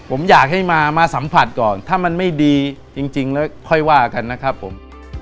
ผมอยากให้มาสัมผัสก่อนถ้ามันไม่ดีจริงแล้วค่อยว่ากันนะครับผม